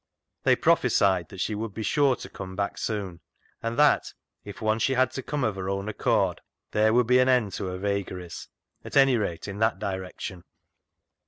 They prophesied that she would be sure to come back soon, and that, if once she had to come of her own accord, there w^ould 8 114 CLOG SHOP CHRONICLES be an end to her vagaries, at anyrate in that direction.